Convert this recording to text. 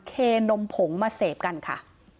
เคนมผงมาเสพกันค่ะ